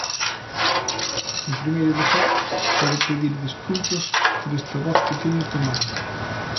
En primeiro lugar, quero pedir desculpas por esta voz que teño tomada.